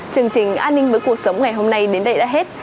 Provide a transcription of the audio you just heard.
chương trình an ninh với cuộc sống ngày hôm nay đến đây đã hết